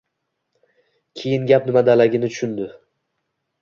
Keyin gap nimadaligini tushundi